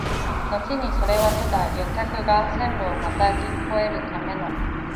のちにそれはただ旅客が線路をまたぎ越えるための、